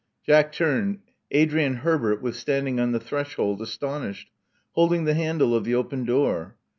" Jack turned. Adrian Herbert was standing on the threshold, astonished, holding the handle of the open door.